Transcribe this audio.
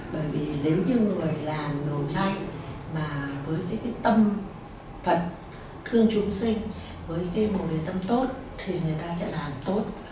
bởi vì nếu như người làm đồ chay mà với cái tâm phật thương chúng sinh với cái bồn đề tâm tốt thì người ta sẽ làm tốt